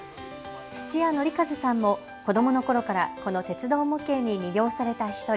土屋範一さんも子どものころからこの鉄道模型に魅了された１人。